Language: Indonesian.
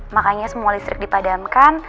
makanya semua listrik dipadamkan